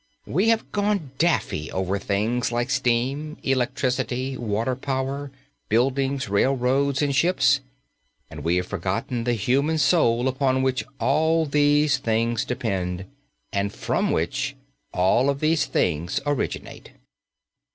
We have gone daffy over things like steam, electricity, water power, buildings, railroads and ships, and we have forgotten the human soul upon which all of these things depend and from which all of these things originate.